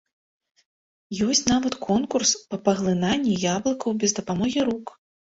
Ёсць нават конкурс па паглынанні яблыкаў без дапамогі рук.